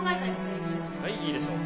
はいいいでしょう。